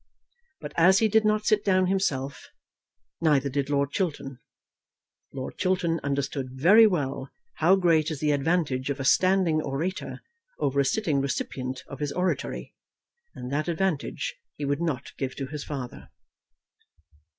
But as he did not sit down himself, neither did Lord Chiltern. Lord Chiltern understood very well how great is the advantage of a standing orator over a sitting recipient of his oratory, and that advantage he would not give to his father.